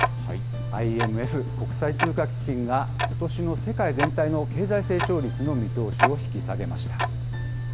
ＩＭＦ・国際通貨基金がことしの世界全体の経済成長率の見通しを引き下げました。